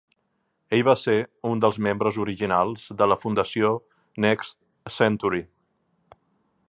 Ell va ser un dels membres originals de la Fundació Next Century.